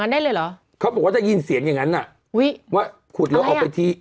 ได้เลยเหรอเขาบอกว่าได้ยินเสียงอย่างงั้นอ่ะอุ้ยว่าขุดแล้วออกไปที่